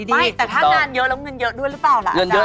ไม่แต่ถ้างานเยอะแล้วเงินเยอะด้วยหรือเปล่าล่ะอาจารย